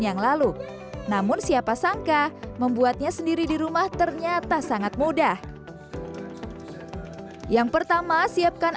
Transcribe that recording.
yang lalu namun siapa sangka membuatnya sendiri di rumah ternyata sangat mudah yang pertama siapkan